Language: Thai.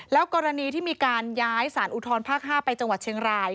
กรณีที่มีการย้ายสารอุทธรภาค๕ไปจังหวัดเชียงราย